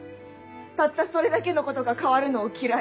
たったそれだけのことが変わるのを嫌い